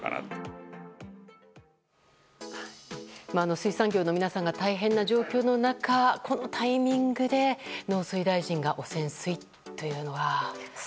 水産業の皆さんが大変な状況の中このタイミングで農水大臣が汚染水と言うのは。